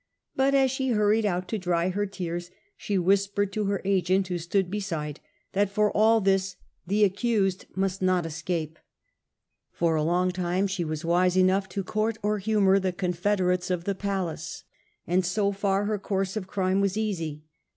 But as she hurried out to dry her tears she whispered to her agent, who stood beside, that for all this the accused must not escape. For a long time she was wise enough to court or At list she humour the confederates of the palace, and defied the SO far her course of crime was easy.